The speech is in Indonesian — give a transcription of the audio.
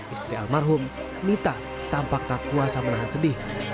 istri almarhum nita tampak tak kuasa menahan sedih